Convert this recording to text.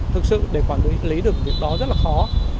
thực sự để quản lý được việc đó rất là khó